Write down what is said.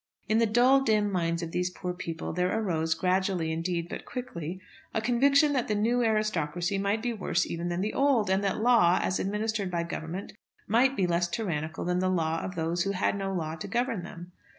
In the dull, dim minds of these poor people there arose, gradually indeed but quickly, a conviction that the new aristocracy might be worse even than the old; and that law, as administered by Government, might be less tyrannical than the law of those who had no law to govern them.